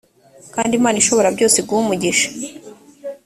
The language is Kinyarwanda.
kandi imana ishoborabyose iguhe umugisha